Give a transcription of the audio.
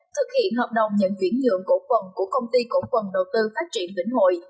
thực hiện hợp đồng nhận chuyển nhượng cổ phần của công ty cổ phần đầu tư phát triển vĩnh hội